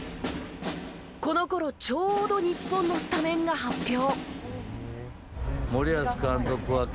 このころちょうど日本のスタメンが発表。